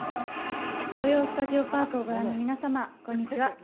「土曜スタジオパーク」をご覧の皆様、こんにちは。